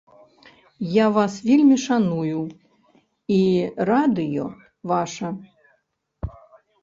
Я вас вельмі шаную, і радыё ваша.